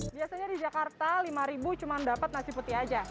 biasanya di jakarta lima ribu cuma dapat nasi putih aja